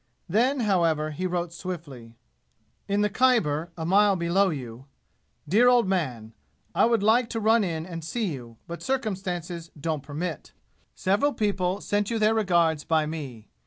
Then, however, he wrote swiftly. "In the Khyber, a mile below you. "Dear Old Man I would like to run in and see you, but circumstances don't permit. Several people sent you their regards by me.